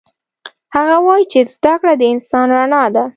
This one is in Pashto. هغه وایي چې زده کړه د انسان رڼا ده